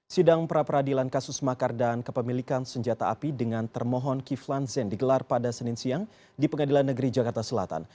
sidang pra peradilan kasus makar dan kepemilikan senjata api dengan termohon kiflan zen digelar pada senin siang di pengadilan negeri jakarta selatan